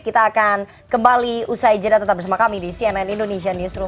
kita akan kembali usai jeda tetap bersama kami di cnn indonesia newsroom